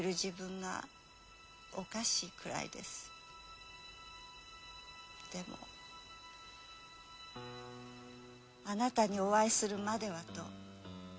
でもあなたにお会いするまではとただそれだけで。